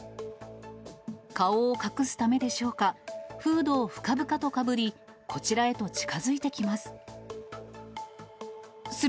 顔を隠すためでしょうか、フードを深々とかぶり、こちらへと近づいてきます。